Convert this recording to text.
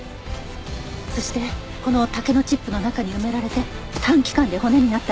そしてこの竹のチップの中に埋められて短期間で骨になったのよ。